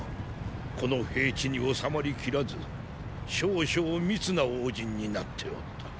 この平地に収まりきらず少々密な横陣になっておった。